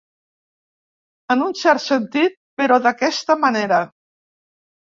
En un cert sentit, però d'aquesta manera.